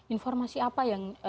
informasi apa yang